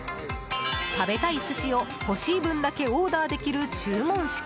食べたい寿司を欲しい分だけオーダーできる注文式。